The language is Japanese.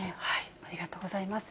ありがとうございます。